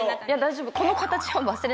大丈夫。